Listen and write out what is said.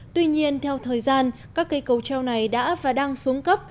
tuy nhiên theo thời gian các cây cầu treo này đã và đang xuống cấp